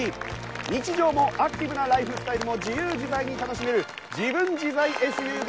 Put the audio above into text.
日常もアクティブなライフスタイルも自由自在に楽しめるジブン自在ＳＵＶ